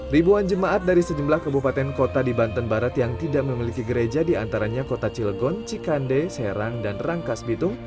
ribuan jemaat dari sejumlah kebupaten kota di banten barat yang tidak memiliki gereja diantaranya kota cilegon cikande serang dan rangkas bitung